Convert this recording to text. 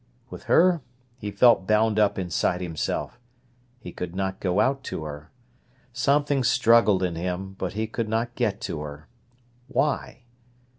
With her he felt bound up inside himself. He could not go out to her. Something struggled in him, but he could not get to her. Why?